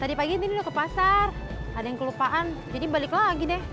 tadi pagi ini udah ke pasar ada yang kelupaan jadi balik lagi deh